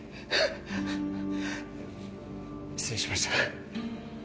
失礼しました